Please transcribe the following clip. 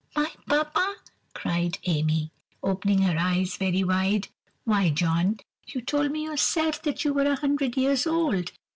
"My Papa!" cried Amy, opening her eyes very wide. "Why, John! you told me yourself that you were a hundred years old.